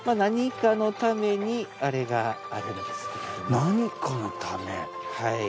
何かのため？